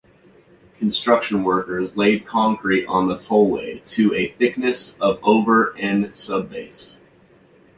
Construction workers laid concrete on the tollway to a thickness of over an sub-base.